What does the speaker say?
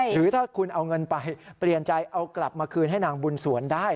หรือถ้าคุณเอาเงินไปเปลี่ยนใจเอากลับมาคืนให้นางบุญสวนได้